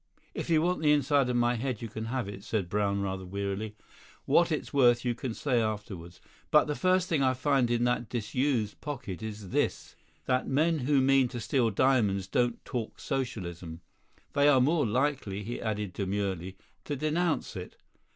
"If you want the inside of my head you can have it," said Brown rather wearily. "What it's worth you can say afterwards. But the first thing I find in that disused pocket is this: that men who mean to steal diamonds don't talk Socialism. They are more likely," he added demurely, "to denounce it."